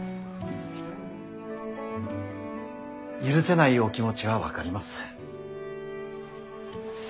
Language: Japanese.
許せないお気持ちは分かります。